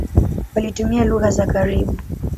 Walitumia lugha za karibu.